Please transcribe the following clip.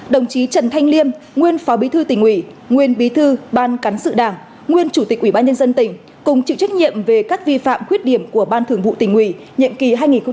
đồng chí trần thanh liêm nguyên phó bí thư tỉnh ủy nguyên bí thư ban cán sự đảng nguyên chủ tịch ủy ban nhân dân tỉnh cùng chịu trách nhiệm về các vi phạm khuyết điểm của ban thường vụ tỉnh ủy nhiệm kỳ hai nghìn một mươi sáu hai nghìn hai mươi một